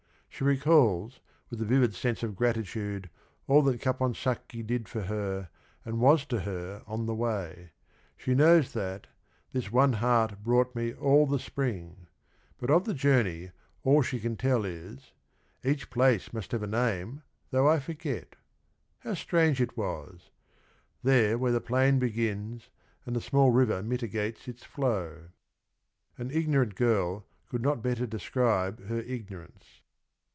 She recalls with a vivid sense of gratitude all that Caponsacchi did for her and was to her on the way. She knows that —" this one heart brought me all the Spring," but of the journey all she can tell is, "Each place must have a name though I forget; How strange it was, — there where the plain begins And the small river mitigates its flow —" An ignorant girl could not better describe her ignorance.